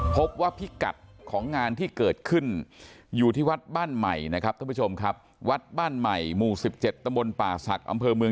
พบว่าพิกัดของงานที่เกิดขึ้นอยู่ที่วัดบ้านใหม่วัดบ้านใหม่หมู่๑๗ตมปลาศักดิ์อำเภอ